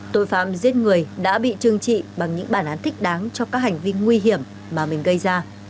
tội phạm giết người đã bị trương trị bằng những bản án thích đáng cho các hành vi nguy hiểm mà mình gây ra